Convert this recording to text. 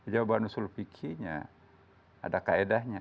jawaban usul fikihnya ada kaedahnya